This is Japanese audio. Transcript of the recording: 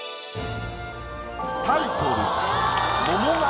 タイトル。